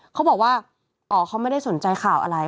เขาบอกว่าอ๋อเขาไม่ได้สนใจข่าวอะไร